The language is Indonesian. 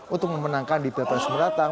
untuk memenangkan di pilpres mendatang